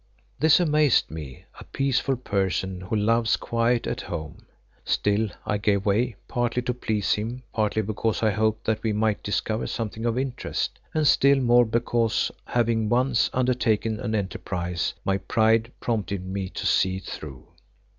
This amazed me, a peaceful person who loves quiet and a home. Still, I gave way, partly to please him, partly because I hoped that we might discover something of interest, and still more because, having once undertaken an enterprise, my pride prompted me to see it through.